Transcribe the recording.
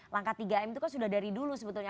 langkah tiga m itu kan sudah dari dulu sebetulnya